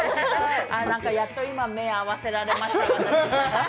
やっと今、目合わせられました、私。